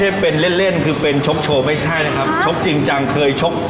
เห็นอย่างนี้นะคะใครจะคิดว่าตอนสมัยสาวนะครับ